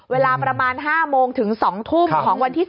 เวลาประมาณ๕โมงถึง๒ทุ่มของวันที่๓